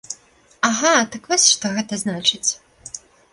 Ага, так вось што гэта значыць.